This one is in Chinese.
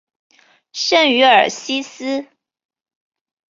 圣于尔西斯。